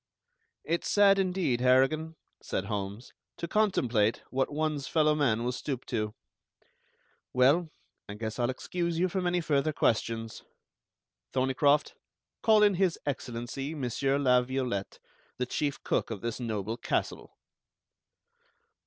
"It's sad, indeed, Harrigan," said Holmes, "to contemplate what one's fellow man will stoop to. Well, I guess I'll excuse you from any further questions. Thorneycroft, call in His Excellency, Monsieur La Violette, the Chief Cook of this noble castle."